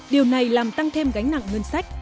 điều này làm tăng thêm gánh nặng ngân sách